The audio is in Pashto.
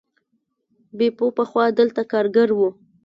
بیپو پخوا دلته کارګر و.